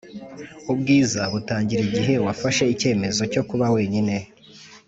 “ubwiza butangira igihe wafashe icyemezo cyo kuba wenyine.”